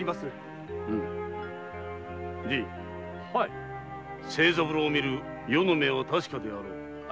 じい清三郎を見る余の目は確かであろう。